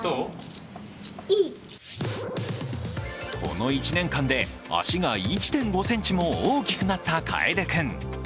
この１年間で足が１．５ｃｍも大きくなった楓君。